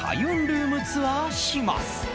ルームツアーします。